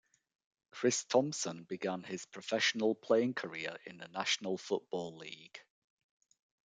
Chris Thompson began his professional playing career in the National Football League.